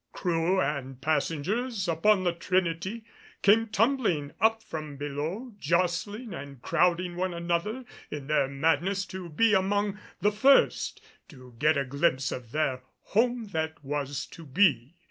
Crew and passengers upon the Trinity came tumbling up from below, jostling and crowding one another in their madness to be among the first to get a glimpse of their home that was to be.